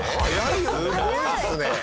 すごいですね。